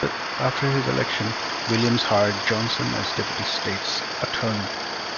After his election, Williams hired Johnson as Deputy State's Attorney.